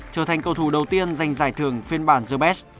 trở thành cầu thủ đầu tiên dành giải thưởng phiên bản the best